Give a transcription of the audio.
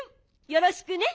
よろしくね。